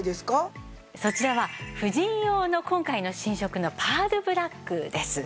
そちらは婦人用の今回の新色のパールブラックです。